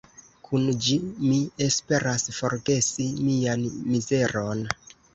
Kun ĝi mi esperas forgesi mian mizeron.